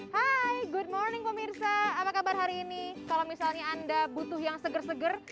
hai good morning pemirsa apa kabar hari ini kalau misalnya anda butuh yang seger seger